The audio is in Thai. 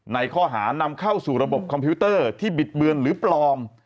ในข้อหานำเข้าสู่ระบบคอมพิวเตอร์ที่บิดเบือนหรือปลอม